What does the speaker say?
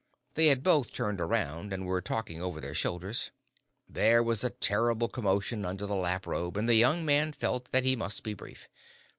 They had both turned around, and were talking over their shoulders. There was a terrible commotion under the lap robe, and the young man felt that he must be brief.